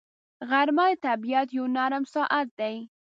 غرمه د طبیعت یو نرم ساعت دی